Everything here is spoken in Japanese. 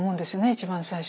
一番最初。